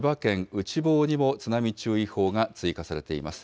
内房にも津波注意報が追加されています。